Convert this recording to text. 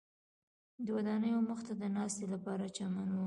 د ودانیو مخ ته د ناستې لپاره چمن و.